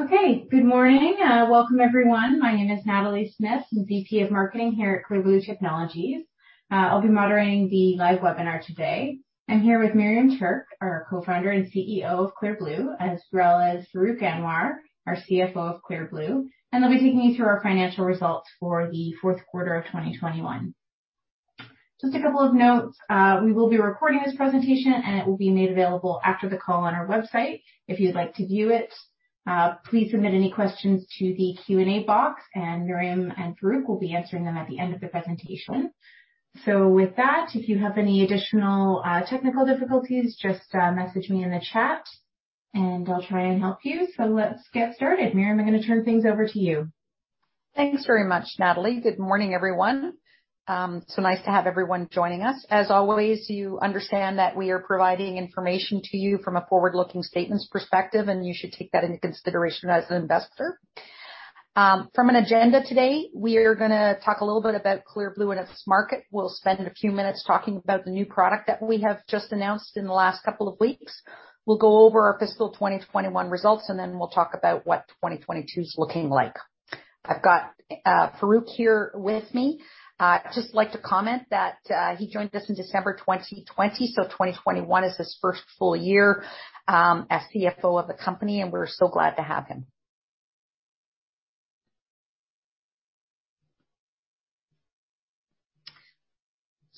Okay. Good morning. Welcome everyone. My name is Natalie Smith, I'm VP of Marketing here at Clear Blue Technologies. I'll be moderating the live webinar today. I'm here with Miriam Tuerk, our Co-Founder and CEO of Clear Blue, as well as Farrukh Anwar, our CFO of Clear Blue, and they'll be taking you through our financial results for the fourth quarter of 2021. Just a couple of notes. We will be recording this presentation, and it will be made available after the call on our website. If you'd like to view it, please submit any questions to the Q&A box, and Miriam and Farrukh will be answering them at the end of the presentation. With that, if you have any additional technical difficulties, just message me in the chat and I'll try and help you. Let's get started. Miriam, I'm gonna turn things over to you. Thanks very much, Natalie. Good morning, everyone. So nice to have everyone joining us. As always, you understand that we are providing information to you from a forward-looking statements perspective, and you should take that into consideration as an investor. For the agenda today, we are gonna talk a little bit about Clear Blue and its market. We'll spend a few minutes talking about the new product that we have just announced in the last couple of weeks. We'll go over our fiscal 2021 results, and then we'll talk about what 2022's looking like. I've got Farrukh here with me. I just like to comment that he joined us in December 2020, so 2021 is his first full year as CFO of the company, and we're so glad to have him.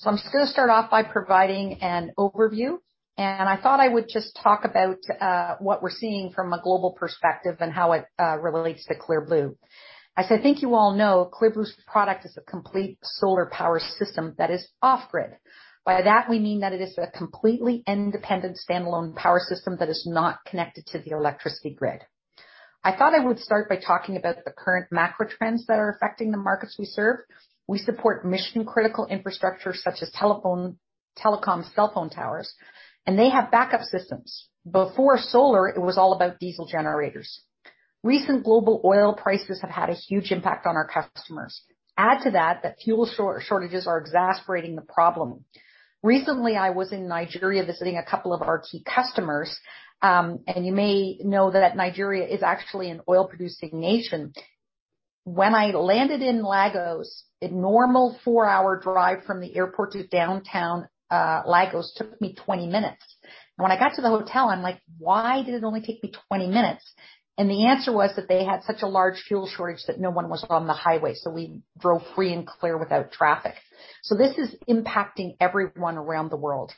I'm just gonna start off by providing an overview, and I thought I would just talk about what we're seeing from a global perspective and how it relates to Clear Blue. As I think you all know, Clear Blue's product is a complete solar power system that is off-grid. By that, we mean that it is a completely independent standalone power system that is not connected to the electricity grid. I thought I would start by talking about the current macro trends that are affecting the markets we serve. We support mission-critical infrastructure such as telecom cell phone towers, and they have backup systems. Before solar, it was all about diesel generators. Recent global oil prices have had a huge impact on our customers. Add to that fuel shortages are exacerbating the problem. Recently, I was in Nigeria visiting a couple of our key customers, and you may know that Nigeria is actually an oil-producing nation. When I landed in Lagos, a normal four-hour drive from the airport to downtown Lagos took me 20 minutes. When I got to the hotel, I'm like, "Why did it only take me 20 minutes?" The answer was that they had such a large fuel shortage that no one was on the highway, so we drove free and clear without traffic. This is impacting everyone around the world.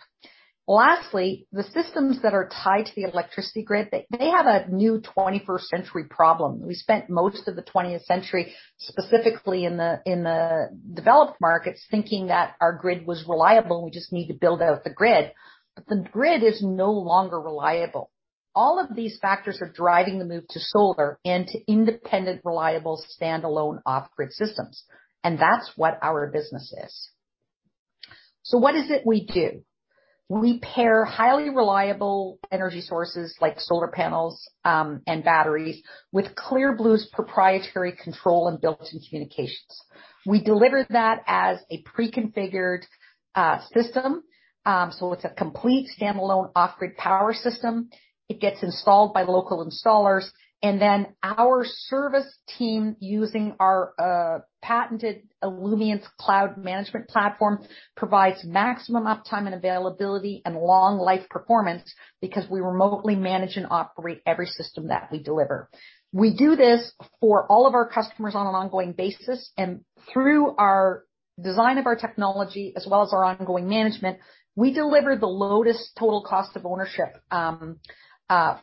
Lastly, the systems that are tied to the electricity grid, they have a new 21st century problem. We spent most of the 20th century, specifically in the developed markets, thinking that our grid was reliable, and we just need to build out the grid. The grid is no longer reliable. All of these factors are driving the move to solar and to independent, reliable, standalone off-grid systems, and that's what our business is. What is it we do? We pair highly reliable energy sources like solar panels and batteries with Clear Blue's proprietary control and built-in communications. We deliver that as a pre-configured system. It's a complete standalone off-grid power system. It gets installed by local installers, and then our service team, using our patented Illumience cloud management platform, provides maximum uptime and availability and long life performance because we remotely manage and operate every system that we deliver. We do this for all of our customers on an ongoing basis, and through our design of our technology as well as our ongoing management, we deliver the lowest total cost of ownership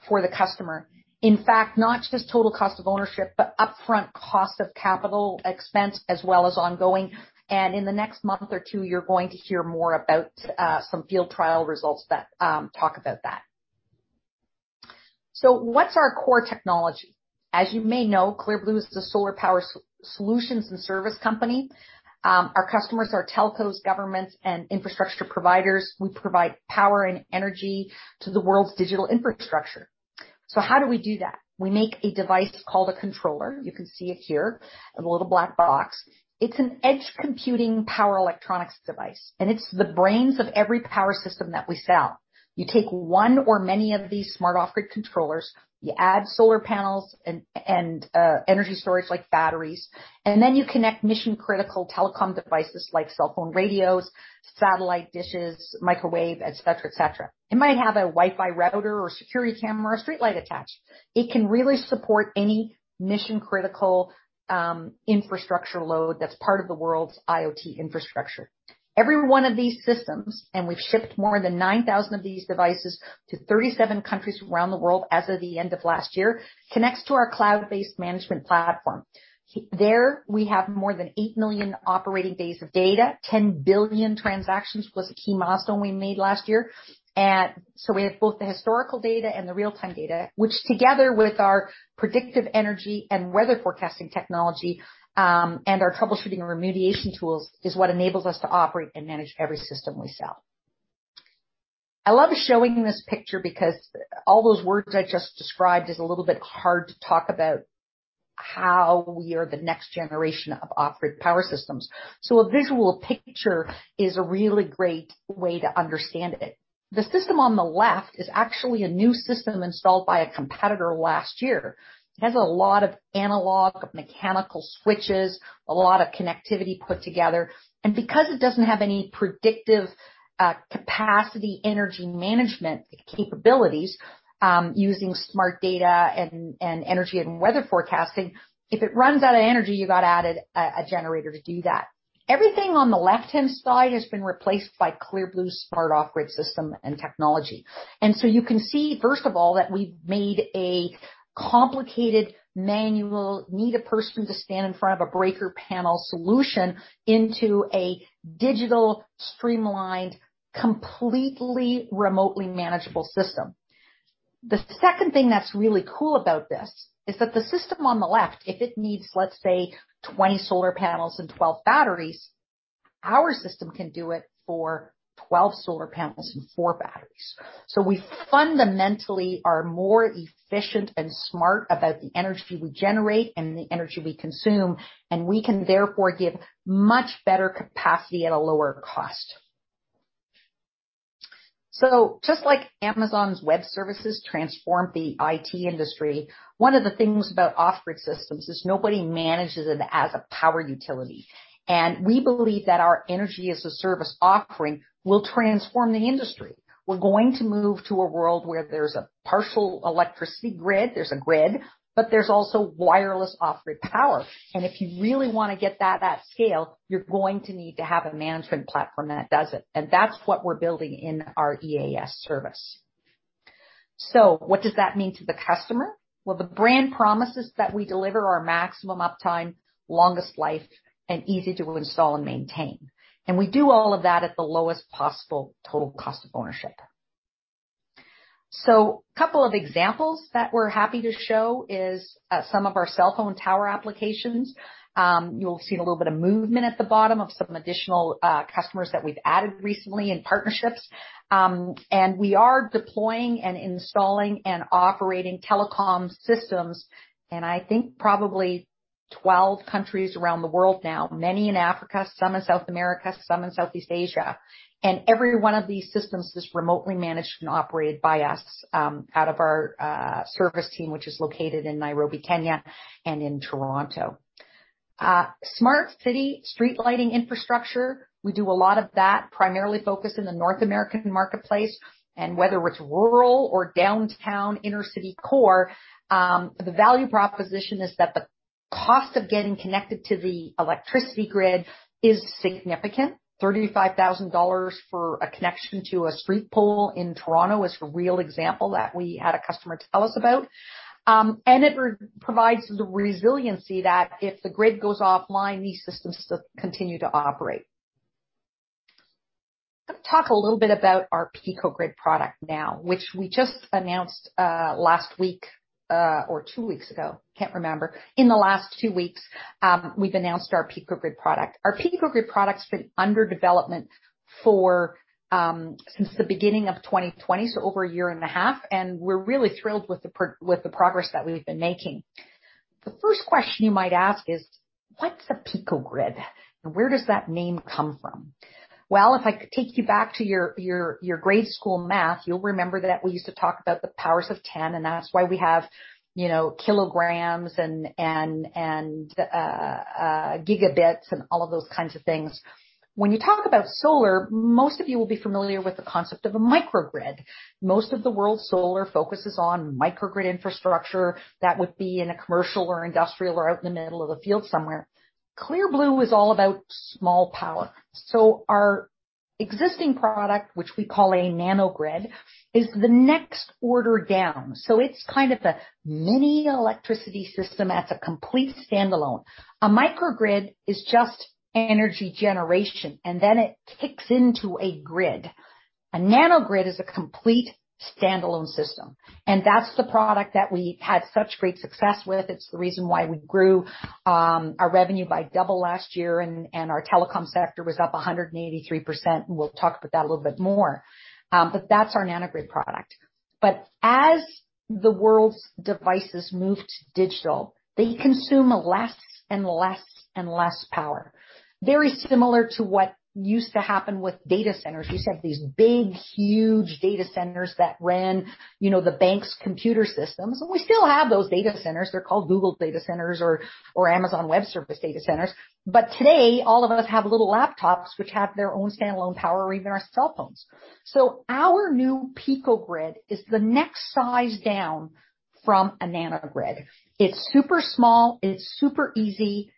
for the customer. In fact, not just total cost of ownership, but upfront cost of capital expense as well as ongoing. In the next month or two, you're going to hear more about some field trial results that talk about that. What's our core technology? As you may know, Clear Blue is the solar power solutions and service company. Our customers are telcos, governments, and infrastructure providers. We provide power and energy to the world's digital infrastructure. How do we do that? We make a device called a controller. You can see it here, in the little black box. It's an edge computing power electronics device, and it's the brains of every power system that we sell. You take one or many of these Smart Off-Grid controllers, you add solar panels and energy storage like batteries, and then you connect mission-critical telecom devices like cell phone radios, satellite dishes, microwave, et cetera. It might have a Wi-Fi router or security camera or streetlight attached. It can really support any mission-critical infrastructure load that's part of the world's IoT infrastructure. Every one of these systems, and we've shipped more than 9,000 of these devices to 37 countries around the world as of the end of last year, connects to our cloud-based management platform. There, we have more than 8 million operating days of data, 10 billion transactions was a key milestone we made last year. We have both the historical data and the real-time data, which together with our predictive energy and weather forecasting technology, and our troubleshooting and remediation tools, is what enables us to operate and manage every system we sell. I love showing this picture because all those words I just described is a little bit hard to talk about how we are the next generation of off-grid power systems. A visual picture is a really great way to understand it. The system on the left is actually a new system installed by a competitor last year. It has a lot of analog mechanical switches, a lot of connectivity put together. Because it doesn't have any predictive, capacity energy management capabilities, using smart data and, energy and weather forecasting, if it runs out of energy, you gotta add a generator to do that. Everything on the left-hand side has been replaced by Clear Blue's Smart Off-Grid system and technology. You can see, first of all, that we've made a complicated manual, need a person to stand in front of a breaker panel solution into a digital, streamlined, completely remotely manageable system. The second thing that's really cool about this is that the system on the left, if it needs, let's say, 20 solar panels and 12 batteries, our system can do it for 12 solar panels and four batteries. We fundamentally are more efficient and smart about the energy we generate and the energy we consume, and we can therefore give much better capacity at a lower cost. Just like Amazon's web services transformed the IT industry, one of the things about off-grid systems is nobody manages it as a power utility. We believe that our energy as a service offering will transform the industry. We're going to move to a world where there's a partial electricity grid. There's a grid, but there's also wireless off-grid power. If you really wanna get that at scale, you're going to need to have a management platform that does it. That's what we're building in our EAS service. What does that mean to the customer? Well, the brand promises that we deliver are maximum uptime, longest life, and easy to install and maintain. We do all of that at the lowest possible total cost of ownership. Couple of examples that we're happy to show is some of our cell phone tower applications. You'll see a little bit of movement at the bottom of some additional customers that we've added recently and partnerships. We are deploying and installing and operating telecom systems, and I think probably 12 countries around the world now, many in Africa, some in South America, some in Southeast Asia. Every one of these systems is remotely managed and operated by us out of our service team, which is located in Nairobi, Kenya, and in Toronto. Smart city street lighting infrastructure, we do a lot of that, primarily focused in the North American marketplace. Whether it's rural or downtown inner-city core, the value proposition is that the cost of getting connected to the electricity grid is significant. 35,000 dollars for a connection to a street pole in Toronto is a real example that we had a customer tell us about. It provides the resiliency that if the grid goes offline, these systems still continue to operate. Let me talk a little bit about our Pico-Grid product now, which we just announced last week or two weeks ago, can't remember. In the last two weeks, we've announced our Pico-Grid product. Our Pico-Grid product's been under development for since the beginning of 2020, so over a year and a half, and we're really thrilled with the progress that we've been making. The first question you might ask is: What's a Pico-Grid, and where does that name come from? Well, if I take you back to your grade school math, you'll remember that we used to talk about the powers of ten, and that's why we have, you know, kilograms and gigabits and all of those kinds of things. When you talk about solar, most of you will be familiar with the concept of a microgrid. Most of the world's solar focuses on microgrid infrastructure that would be in a commercial or industrial or out in the middle of a field somewhere. Clear Blue is all about small power. Our existing product, which we call a Nano-Grid, is the next order down. It's kind of a mini electricity system that's a complete standalone. A microgrid is just energy generation, and then it kicks into a grid. A Nano-Grid is a complete standalone system. That's the product that we had such great success with. It's the reason why we grew our revenue by double last year and our telecom sector was up 183%. We'll talk about that a little bit more. But that's our Nano-Grid product. As the world's devices move to digital, they consume less and less and less power. Very similar to what used to happen with data centers. You used to have these big, huge data centers that ran, you know, the bank's computer systems, and we still have those data centers. They're called Google data centers or Amazon Web Services data centers. Today, all of us have little laptops which have their own standalone power or even our cell phones. Our new Pico-Grid is the next size down from a Nano-Grid. It's super small. It's super easy.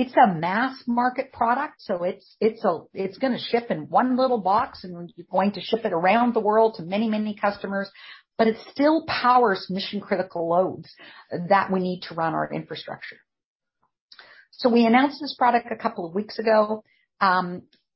It's a mass market product, so it's gonna ship in one little box, and we're going to ship it around the world to many, many customers. It still powers mission-critical loads that we need to run our infrastructure. We announced this product a couple of weeks ago.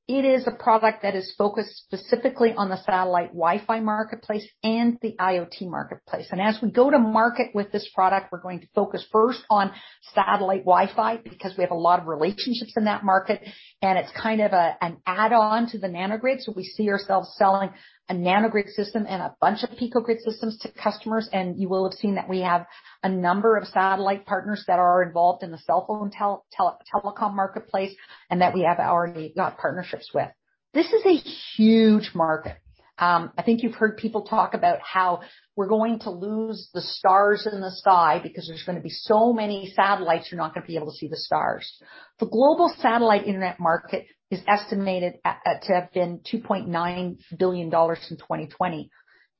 It is a product that is focused specifically on the satellite Wi-Fi marketplace and the IoT marketplace. As we go to market with this product, we're going to focus first on satellite Wi-Fi because we have a lot of relationships in that market, and it's kind of a, an add-on to the Nano-Grids. We see ourselves selling a Nano-Grid system and a bunch of Pico-Grid systems to customers, and you will have seen that we have a number of satellite partners that are involved in the cell phone telecom marketplace, and that we have already got partnerships with. This is a huge market. I think you've heard people talk about how we're going to lose the stars in the sky because there's gonna be so many satellites, you're not gonna be able to see the stars. The global satellite internet market is estimated to have been $2.9 billion in 2020.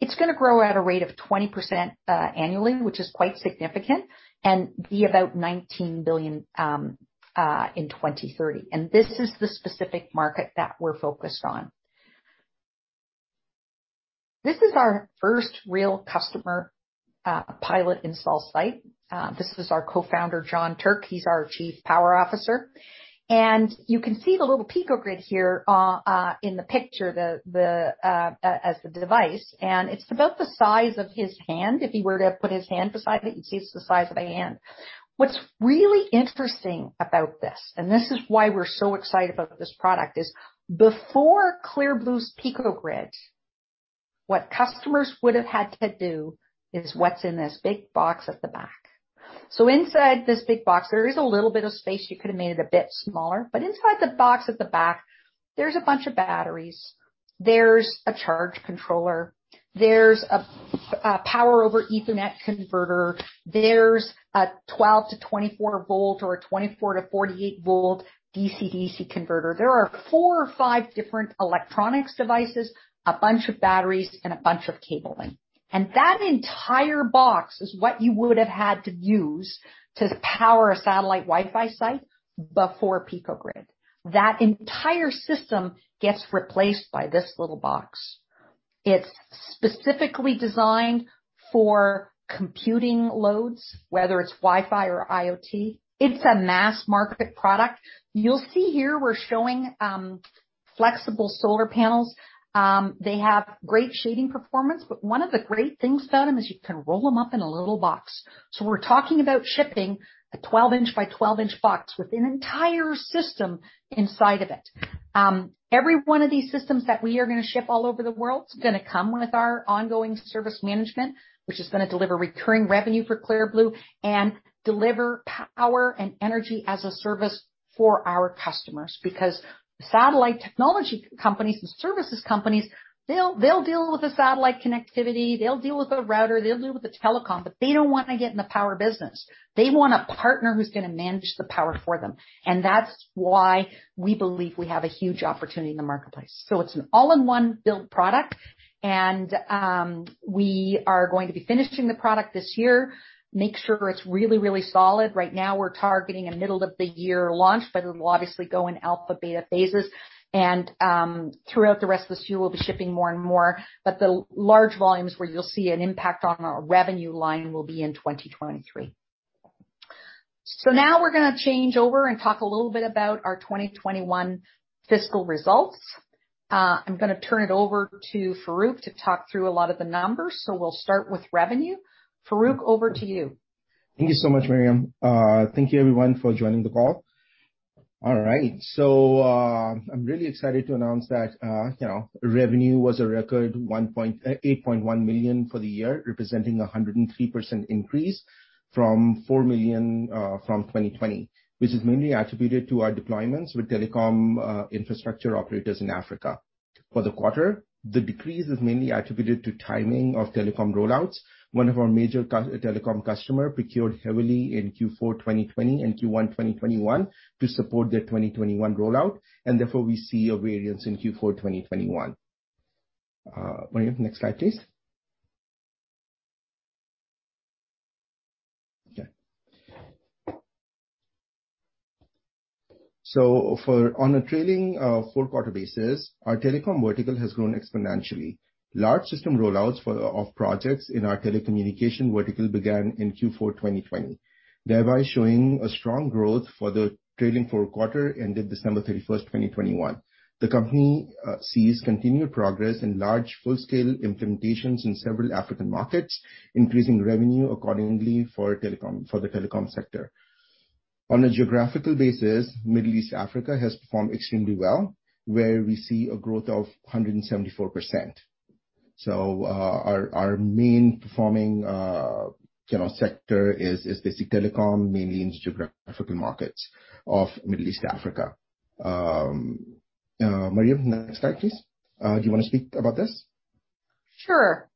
It's gonna grow at a rate of 20% annually, which is quite significant, and be about $19 billion in 2030. This is the specific market that we're focused on. This is our first real customer pilot install site. This is our Co-Founder, John Tuerk, he's our Chief Power Officer. You can see the little Pico-Grid here in the picture, as the device, and it's about the size of his hand. If he were to put his hand beside it, you'd see it's the size of a hand. What's really interesting about this, and this is why we're so excited about this product, is before Clear Blue's Pico-Grid, what customers would have had to do is what's in this big box at the back. Inside this big box, there is a little bit of space, you could have made it a bit smaller, but inside the box at the back, there's a bunch of batteries, there's a charge controller, there's a Power over Ethernet converter, there's a 12- to 24-volt or a 24- to 48-volt DC/DC converter. There are four or five different electronics devices, a bunch of batteries, and a bunch of cabling. That entire box is what you would have had to use to power a satellite Wi-Fi site before Pico-Grid. That entire system gets replaced by this little box. It's specifically designed for computing loads, whether it's Wi-Fi or IoT. It's a mass-market product. You'll see here we're showing flexible solar panels. They have great shading performance, but one of the great things about them is you can roll them up in a little box. We're talking about shipping a 12-in by 12-in box with an entire system inside of it. Every one of these systems that we are gonna ship all over the world is gonna come with our ongoing service management, which is gonna deliver recurring revenue for Clear Blue and deliver power and Energy-as-a-Service for our customers. Because satellite technology companies and services companies, they'll deal with the satellite connectivity, they'll deal with a router, they'll deal with the telecom, but they don't wanna get in the power business. They want a partner who's gonna manage the power for them. That's why we believe we have a huge opportunity in the marketplace. It's an all-in-one build product, and we are going to be finishing the product this year, make sure it's really, really solid. Right now, we're targeting a middle of the year launch, but it will obviously go in alpha beta phases. Throughout the rest of this year, we'll be shipping more and more, but the large volumes where you'll see an impact on our revenue line will be in 2023. Now we're gonna change over and talk a little bit about our 2021 fiscal results. I'm gonna turn it over to Farrukh to talk through a lot of the numbers. We'll start with revenue. Farrukh, over to you. Thank you so much, Miriam. Thank you everyone for joining the call. All right. I'm really excited to announce that, you know, revenue was a record 8.1 million for the year, representing 103% increase from 4 million from 2020, which is mainly attributed to our deployments with telecom infrastructure operators in Africa. For the quarter, the decrease is mainly attributed to timing of telecom rollouts. One of our major telecom customer procured heavily in Q4 2020 and Q1 2021 to support their 2021 rollout, and therefore, we see a variance in Q4 2021. Miriam, next slide, please. Okay. On a trailing four-quarter basis, our telecom vertical has grown exponentially. Large system rollouts of projects in our telecommunication vertical began in Q4 2020, thereby showing strong growth for the trailing four quarters ended December 31, 2021. The company sees continued progress in large full-scale implementations in several African markets, increasing revenue accordingly for the telecom sector. On a geographical basis, Middle East Africa has performed extremely well, where we see growth of 174%. Our main performing sector is basic telecom, mainly in geographical markets of Middle East Africa. Miriam, next slide, please. Do you wanna speak about this? Sure.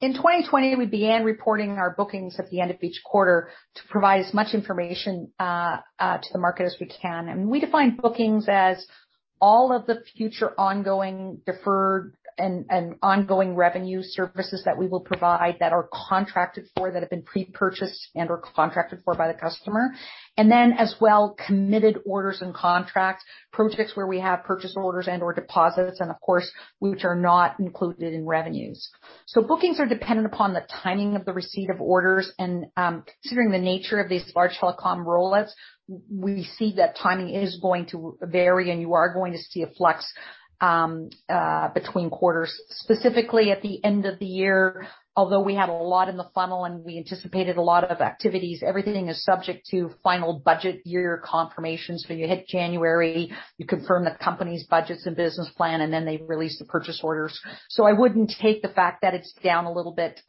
In 2020, we began reporting our bookings at the end of each quarter to provide as much information to the market as we can. We define bookings as all of the future ongoing, deferred, and ongoing revenue services that we will provide that are contracted for, that have been pre-purchased and/or contracted for by the customer. As well, committed orders and contracts, projects where we have purchase orders and/or deposits, and of course, which are not included in revenues. Bookings are dependent upon the timing of the receipt of orders. Considering the nature of these large telecom rollouts, we see that timing is going to vary, and you are going to see a flex between quarters. Specifically at the end of the year, although we have a lot in the funnel and we anticipated a lot of activities, everything is subject to final budget year confirmations. When you hit January, you confirm the company's budgets and business plan, and then they release the purchase orders. So I wouldn't take the fact that it's down a little bit,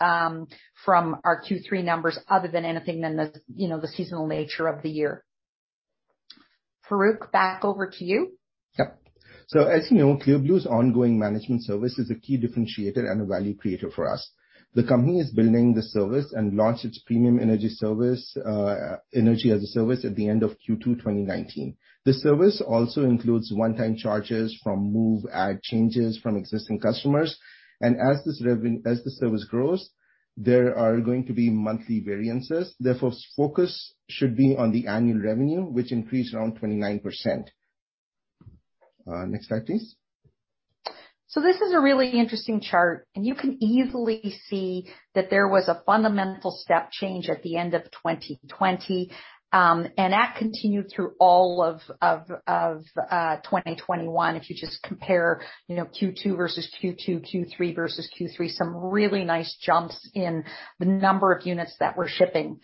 from our Q3 numbers other than anything than the, you know, the seasonal nature of the year. Farrukh, back over to you. Yep. As you know, Clear Blue's ongoing management service is a key differentiator and a value creator for us. The company is building the service and launched its premium energy service, Energy-as-a-Service at the end of Q2 2019. The service also includes one-time charges from move add changes from existing customers. As the service grows, there are going to be monthly variances. Therefore, focus should be on the annual revenue, which increased around 29%. Next slide, please. This is a really interesting chart, and you can easily see that there was a fundamental step change at the end of 2020. And that continued through all of 2021 if you just compare, you know, Q2 versus Q2, Q3 versus Q3, some really nice jumps in the number of units that we're shipping.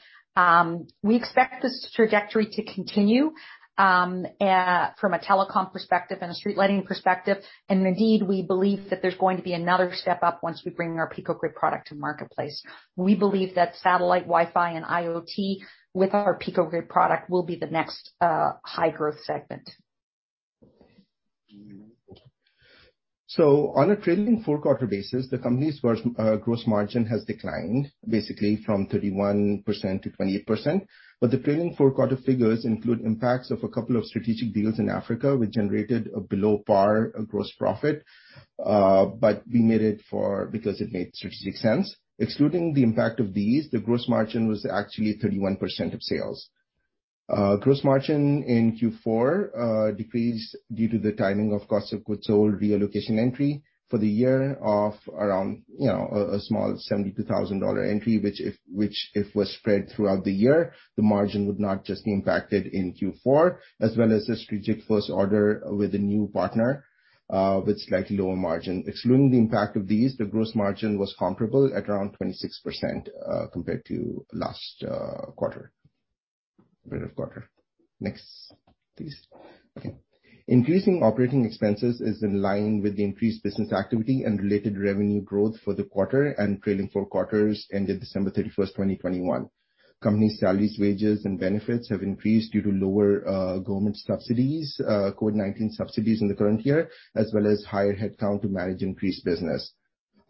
We expect this trajectory to continue from a telecom perspective and a street lighting perspective. And indeed, we believe that there's going to be another step up once we bring our Pico-Grid product to marketplace. We believe that satellite, Wi-Fi, and IoT with our Pico-Grid product will be the next high-growth segment. On a trailing four-quarter basis, the company's gross margin has declined basically from 31% to 28%. The trailing four-quarter figures include impacts of a couple of strategic deals in Africa, which generated a below par gross profit. We made it because it made strategic sense. Excluding the impact of these, the gross margin was actually 31% of sales. Gross margin in Q4 decreased due to the timing of cost of goods sold reallocation entry for the year of around, you know, a small 72,000 dollar entry which if was spread throughout the year, the margin would not just be impacted in Q4, as well as a strategic first order with a new partner with slightly lower margin. Excluding the impact of these, the gross margin was comparable at around 26%, compared to last quarter. Next, please. Increasing operating expenses is in line with the increased business activity and related revenue growth for the quarter and trailing four quarters ended December 31, 2021. Company salaries, wages, and benefits have increased due to lower government subsidies, COVID-19 subsidies in the current year, as well as higher headcount to manage increased business.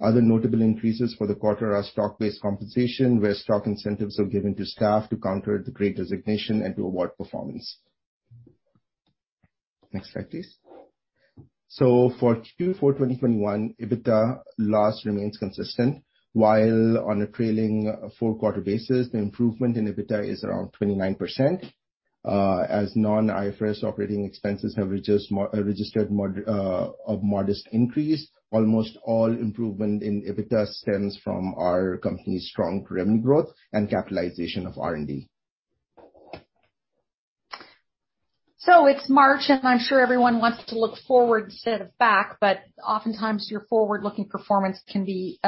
Other notable increases for the quarter are stock-based compensation, where stock incentives are given to staff to counter the great resignation and to award performance. Next slide, please. For Q4 2021, EBITDA loss remains consistent, while on a trailing four-quarter basis, the improvement in EBITDA is around 29%. As non-IFRS operating expenses have registered a modest increase, almost all improvement in EBITDA stems from our company's strong revenue growth and capitalization of R&D. It's March, and I'm sure everyone wants to look forward instead of back, but oftentimes your forward-looking performance can be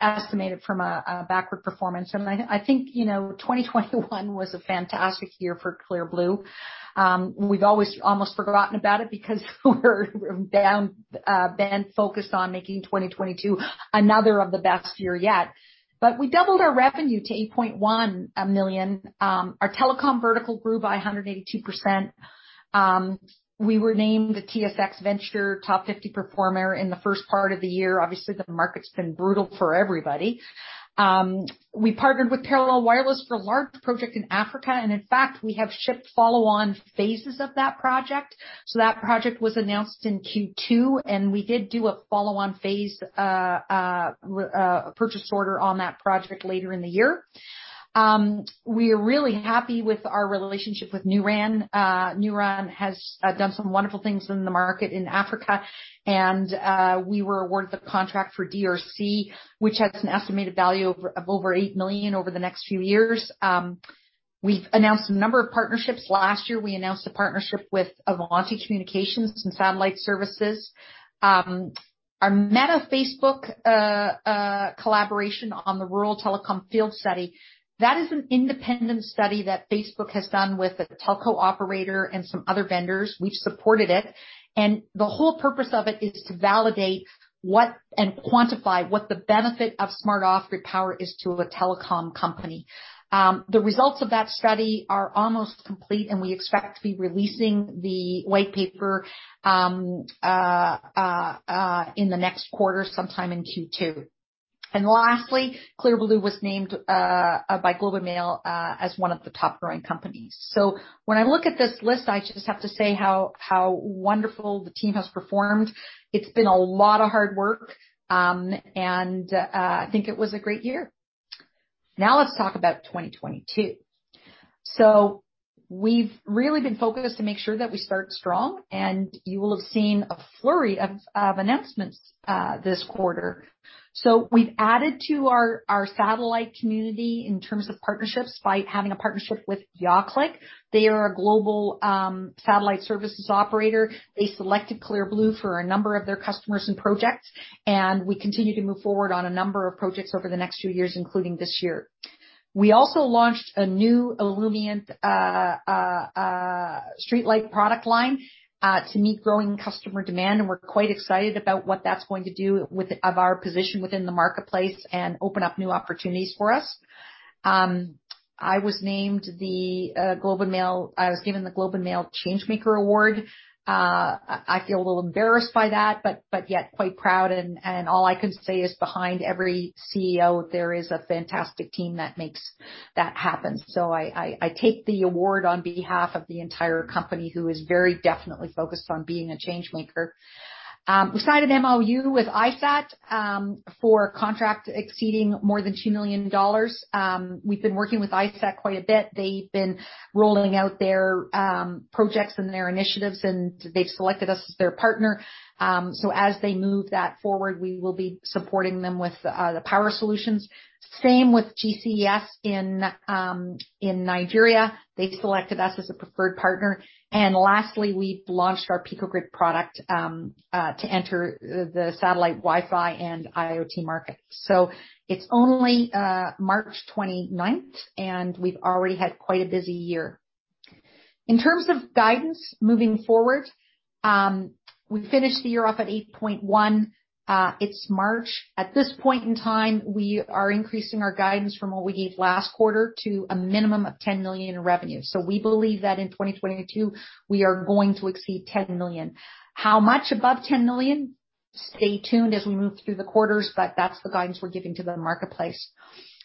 estimated from a backward performance. I think, you know, 2021 was a fantastic year for Clear Blue. We've almost forgotten about it because we've been focused on making 2022 one of the best years yet. We doubled our revenue to 8.1 million. Our telecom vertical grew by 182%. We were named the TSX Venture 50 in the first part of the year. Obviously, the market's been brutal for everybody. We partnered with Parallel Wireless for a large project in Africa, and in fact, we have shipped follow-on phases of that project. That project was announced in Q2, and we did do a follow-on phase purchase order on that project later in the year. We are really happy with our relationship with NuRAN. NuRAN has done some wonderful things in the market in Africa, and we were awarded the contract for DRC, which has an estimated value of over 8 million over the next few years. We've announced a number of partnerships. Last year, we announced a partnership with Avanti Communications and Satellite Services. Our Meta Facebook collaboration on the rural telecom field study, that is an independent study that Facebook has done with a telco operator and some other vendors. We've supported it. The whole purpose of it is to validate what and quantify what the benefit of Smart Off-Grid power is to a telecom company. The results of that study are almost complete, and we expect to be releasing the white paper in the next quarter, sometime in Q2. Lastly, Clear Blue was named by The Globe and Mail as one of the top growing companies. When I look at this list, I just have to say how wonderful the team has performed. It's been a lot of hard work, and I think it was a great year. Now let's talk about 2022. We've really been focused to make sure that we start strong, and you will have seen a flurry of announcements this quarter. We've added to our satellite community in terms of partnerships by having a partnership with YahClick. They are a global satellite services operator. They selected Clear Blue for a number of their customers and projects, and we continue to move forward on a number of projects over the next few years, including this year. We also launched a new Illumient streetlight product line to meet growing customer demand, and we're quite excited about what that's going to do with our position within the marketplace and open up new opportunities for us. I was given the Globe and Mail Changemaker Award. I feel a little embarrassed by that, but yet quite proud and all I can say is behind every CEO, there is a fantastic team that makes that happen. I take the award on behalf of the entire company, who is very definitely focused on being a changemaker. We signed an MOU with iSAT Africa for contract exceeding more than 2 million dollars. We've been working with iSAT Africa quite a bit. They've been rolling out their projects and their initiatives, and they've selected us as their partner. As they move that forward, we will be supporting them with the power solutions. Same with GCES in Nigeria. They've selected us as a preferred partner. Lastly, we've launched our Pico-Grid product to enter the satellite, Wi-Fi and IoT market. It's only March 29th, and we've already had quite a busy year. In terms of guidance moving forward, we finished the year off at 8.1. It's March. At this point in time, we are increasing our guidance from what we gave last quarter to a minimum of 10 million in revenue. We believe that in 2022 we are going to exceed 10 million. How much above 10 million? Stay tuned as we move through the quarters, but that's the guidance we're giving to the marketplace.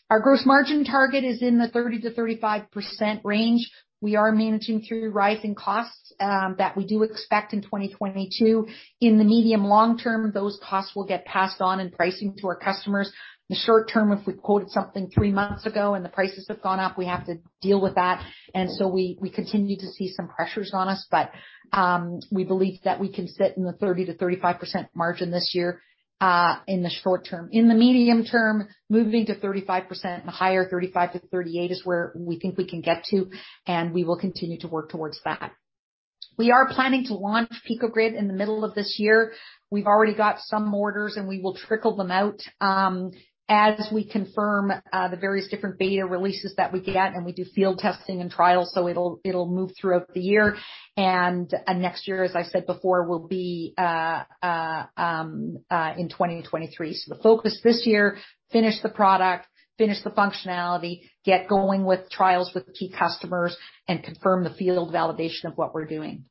Our gross margin target is in the 30%-35% range. We are managing through rising costs that we do expect in 2022. In the medium long term, those costs will get passed on in pricing to our customers. In the short term, if we quoted something three months ago and the prices have gone up, we have to deal with that. We continue to see some pressures on us. We believe that we can sit in the 30%-35% margin this year, in the short term. In the medium term, moving to 35% and higher, 35%-38% is where we think we can get to, and we will continue to work towards that. We are planning to launch Pico-Grid in the middle of this year. We've already got some orders, and we will trickle them out as we confirm the various different beta releases that we get, and we do field testing and trials, so it'll move throughout the year. Next year, as I said before, will be in 2023. The focus this year is to finish the product, finish the functionality, get going with trials with key customers and confirm the field validation of what we're doing.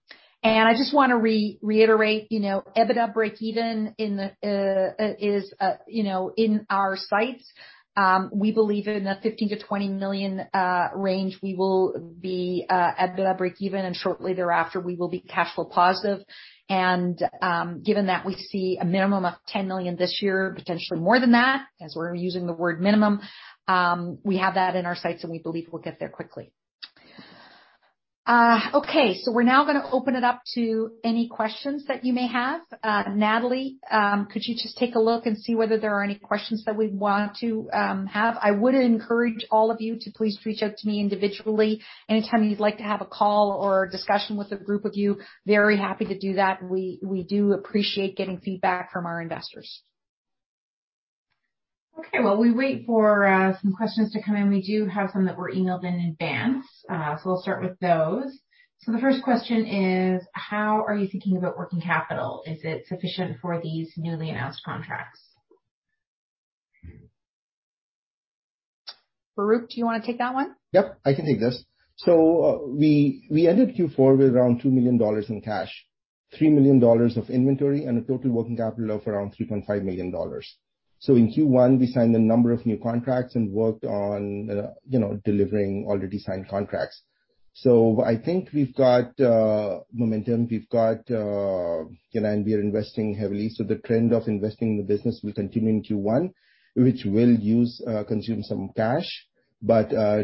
I just wanna reiterate, you know, EBITDA breakeven is, you know, in our sights. We believe in the 15 million-20 million range, we will be EBITDA breakeven, and shortly thereafter we will be cash flow positive. Given that we see a minimum of 10 million this year, potentially more than that, as we're using the word minimum, we have that in our sights, and we believe we'll get there quickly. We're now gonna open it up to any questions that you may have. Natalie, could you just take a look and see whether there are any questions that we want to have? I would encourage all of you to please reach out to me individually anytime you'd like to have a call or a discussion with a group of you. Very happy to do that. We do appreciate getting feedback from our investors. Okay. While we wait for some questions to come in, we do have some that were emailed in advance, so we'll start with those. The first question is: How are you thinking about working capital? Is it sufficient for these newly announced contracts? Farrukh, do you wanna take that one? Yep, I can take this. We ended Q4 with around 2 million dollars in cash, 3 million dollars of inventory and a total working capital of around 3.5 million dollars. In Q1, we signed a number of new contracts and worked on you know, delivering already signed contracts. I think we've got momentum. We've got you know, and we are investing heavily. The trend of investing in the business will continue in Q1, which will consume some cash.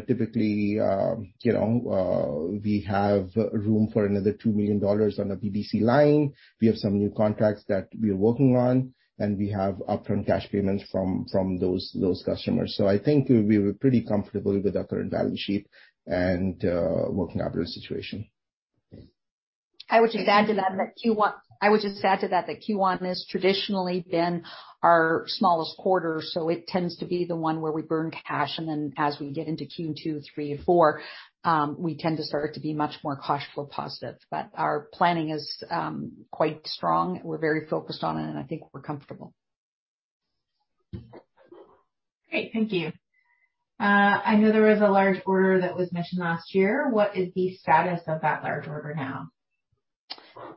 Typically, you know, we have room for another 2 million dollars on the BDC line. We have some new contracts that we are working on, and we have upfront cash payments from those customers. I think we were pretty comfortable with our current balance sheet and working capital situation. I would just add to that Q1 has traditionally been our smallest quarter, so it tends to be the one where we burn cash. Then as we get into Q2, Q3 and Q4, we tend to start to be much more cash flow positive. Our planning is quite strong. We're very focused on it, and I think we're comfortable. Great. Thank you. I know there was a large order that was mentioned last year. What is the status of that large order now?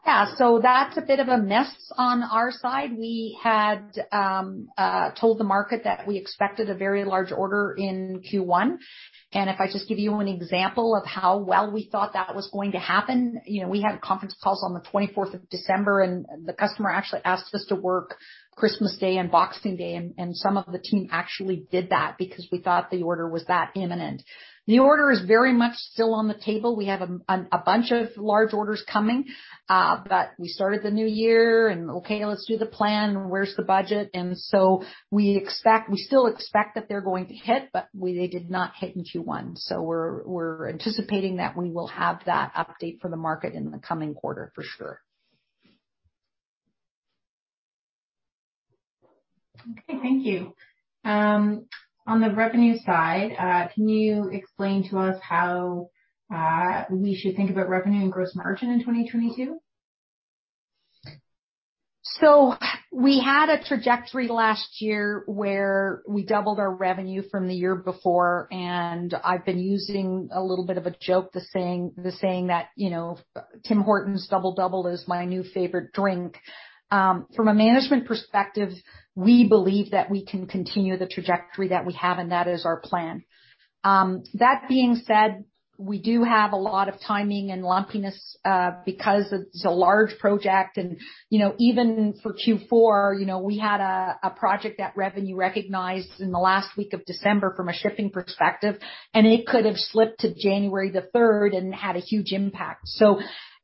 Yeah. So that's a bit of a mess on our side. We had told the market that we expected a very large order in Q1, and if I just give you an example of how well we thought that was going to happen, you know, we had a conference call on December 24th, and the customer actually asked us to work Christmas Day and Boxing Day, and some of the team actually did that because we thought the order was that imminent. The order is very much still on the table. We have a bunch of large orders coming. But we started the new year and, okay, let's do the plan. Where's the budget? We expect... We still expect that they're going to hit, but they did not hit in Q1, so we're anticipating that we will have that update for the market in the coming quarter for sure. Okay. Thank you. On the revenue side, can you explain to us how we should think about revenue and gross margin in 2022? We had a trajectory last year where we doubled our revenue from the year before, and I've been using a little bit of a joke, the saying that, you know, Tim Hortons Double Double is my new favorite drink. From a management perspective, we believe that we can continue the trajectory that we have, and that is our plan. That being said, we do have a lot of timing and lumpiness because it's a large project. You know, even for Q4, you know, we had a project that revenue recognized in the last week of December from a shipping perspective, and it could have slipped to January 3rd and had a huge impact.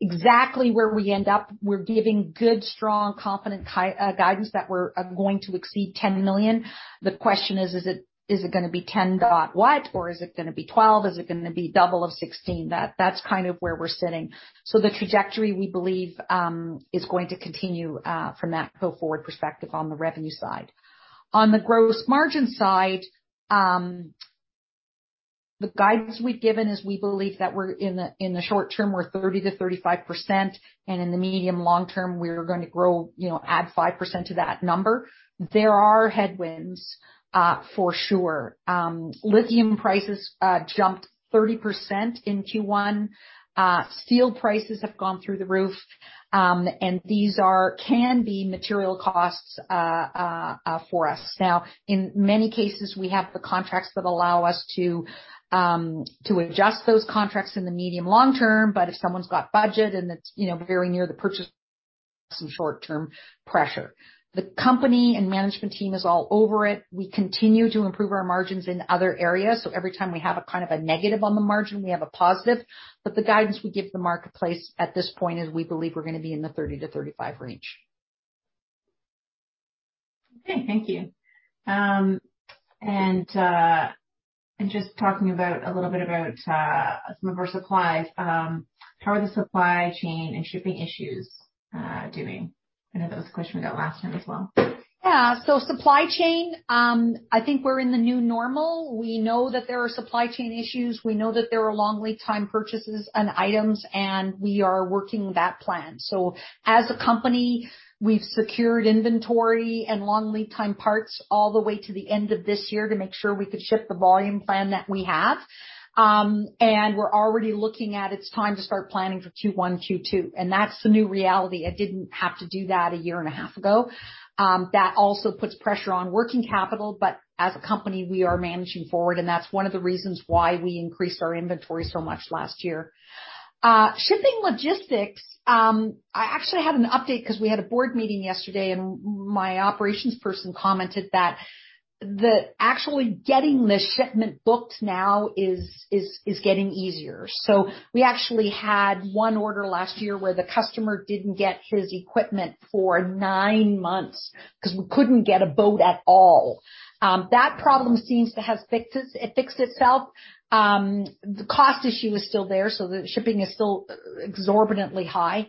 Exactly where we end up, we're giving good, strong, confident guidance that we're going to exceed 10 million. The question is it gonna be 10 point what? Or is it gonna be 12? Is it gonna be double of 16? That's kind of where we're sitting. The trajectory, we believe, is going to continue from that go-forward perspective on the revenue side. On the gross margin side, the guidance we've given is we believe that we're in the short term, we're 30%-35%, and in the medium long term, we're gonna grow, you know, add 5% to that number. There are headwinds for sure. Lithium prices jumped 30% in Q1. Steel prices have gone through the roof. And these can be material costs for us. Now, in many cases, we have the contracts that allow us to adjust those contracts in the medium long term if someone's got budget and it's very near the purchase, some short-term pressure, the company and management team is all over it. We continue to improve our margins in other areas. Every time we have a kind of a negative on the margin, we have a positive. The guidance we give the marketplace at this point is we believe we're gonna be in the 30%-35% range. Okay. Thank you. Just talking a little bit about some of our supplies, how are the supply chain and shipping issues doing? I know that was a question we got last time as well. Yeah. Supply chain, I think we're in the new normal. We know that there are supply chain issues. We know that there are long lead time purchases and items, and we are working that plan. As a company, we've secured inventory and long lead time parts all the way to the end of this year to make sure we could ship the volume plan that we have. We're already looking at it's time to start planning for Q1, Q2, and that's the new reality. I didn't have to do that a year and a half ago. That also puts pressure on working capital, but as a company, we are managing forward, and that's one of the reasons why we increased our inventory so much last year. Shipping logistics, I actually have an update because we had a board meeting yesterday, and my operations person commented that actually getting the shipment booked now is getting easier. We actually had one order last year where the customer didn't get his equipment for nine months because we couldn't get a boat at all. That problem seems to have fixed itself. The cost issue is still there, so the shipping is still exorbitantly high.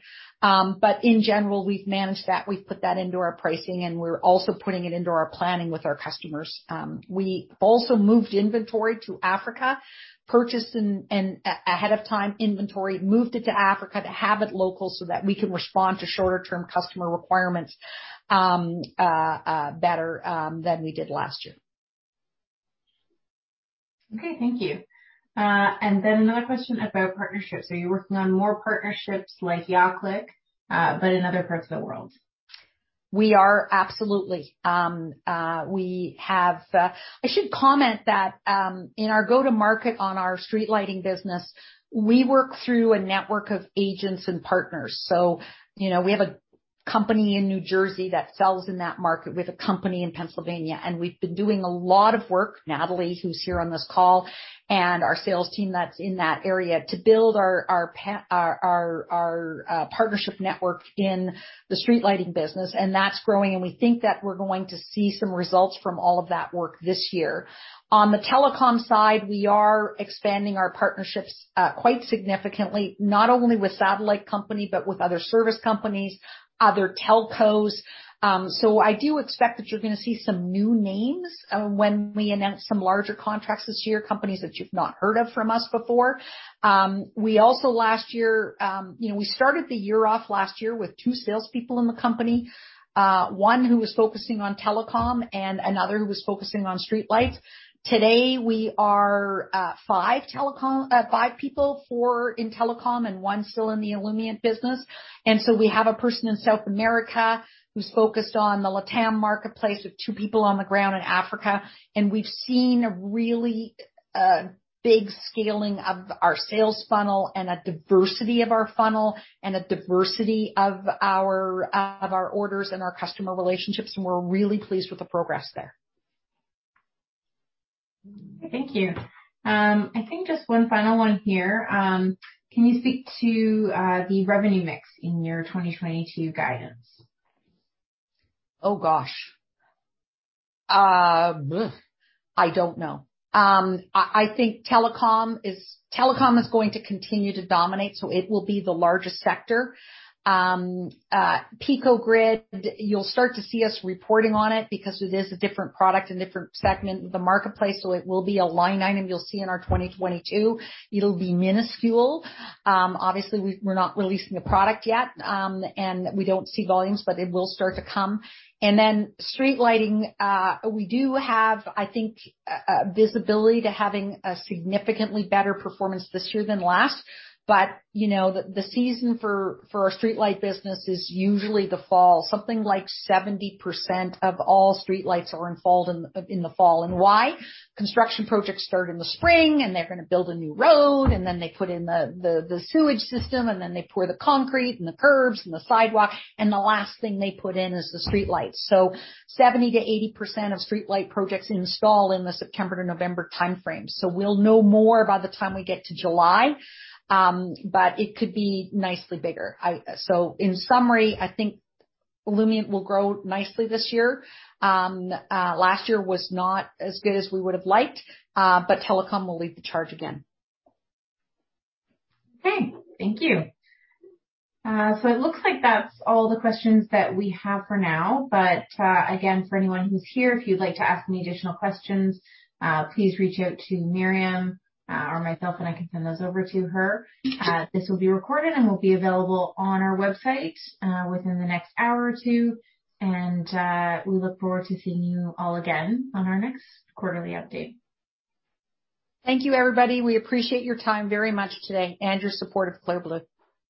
In general, we've managed that. We've put that into our pricing, and we're also putting it into our planning with our customers. We also moved inventory to Africa. Purchased an ahead of time inventory, moved it to Africa to have it local, so that we can respond to shorter term customer requirements better than we did last year. Okay. Thank you. Another question about partnerships. Are you working on more partnerships like YahClick, but in other parts of the world? I should comment that in our go-to-market on our street lighting business, we work through a network of agents and partners. You know, we have a company in New Jersey that sells in that market with a company in Pennsylvania, and we've been doing a lot of work, Natalie, who's here on this call, and our sales team that's in that area to build our partnership network in the street lighting business, and that's growing. We think that we're going to see some results from all of that work this year. On the telecom side, we are expanding our partnerships quite significantly, not only with satellite company, but with other service companies, other telcos. I do expect that you're gonna see some new names when we announce some larger contracts this year, companies that you've not heard of from us before. We also last year, you know, we started the year off last year with two salespeople in the company, one who was focusing on telecom and another who was focusing on streetlights. Today, we are five people, four in telecom and one still in the Illumient business. We have a person in South America who's focused on the LATAM marketplace with two people on the ground in Africa. We've seen a really big scaling of our sales funnel and a diversity of our funnel and our orders and our customer relationships, and we're really pleased with the progress there. Thank you. I think just one final one here. Can you speak to the revenue mix in your 2022 guidance? I don't know. I think telecom is going to continue to dominate, so it will be the largest sector. Pico-Grid, you'll start to see us reporting on it because it is a different product and different segment of the marketplace, so it will be a line item you'll see in our 2022. It'll be minuscule. Obviously we're not releasing a product yet, and we don't see volumes, but it will start to come. Then street lighting, we do have, I think, visibility to having a significantly better performance this year than last. You know, the season for our streetlight business is usually the fall. Something like 70% of all streetlights are in the fall. Why? Construction projects start in the spring, and they're gonna build a new road, and then they put in the sewage system, and then they pour the concrete and the curbs and the sidewalk, and the last thing they put in is the streetlight. 70%-80% of streetlight projects install in the September to November timeframe. We'll know more by the time we get to July, but it could be nicely bigger. In summary, I think Illumient will grow nicely this year. Last year was not as good as we would have liked, but telecom will lead the charge again. Okay. Thank you. So it looks like that's all the questions that we have for now, but again, for anyone who's here, if you'd like to ask any additional questions, please reach out to Miriam or myself, and I can send those over to her. This will be recorded and will be available on our website within the next hour or two. We look forward to seeing you all again on our next quarterly update. Thank you, everybody. We appreciate your time very much today and your support of Clear Blue.